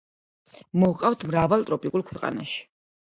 მოჰყავთ მრავალ ტროპიკულ ქვეყანაში.